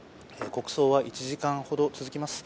国葬は１時間ほど続きます。